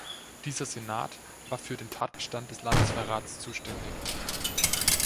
Dieser Senat war für den Tatbestand des Landesverrats zuständig.